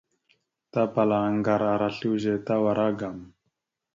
Tapala aŋgar ara slʉze tawara agam.